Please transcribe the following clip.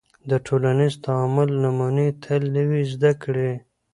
د ټولنیز تعامل نمونې تل نوې زده کړې